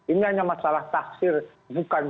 ini hanya masalah tafsir bukan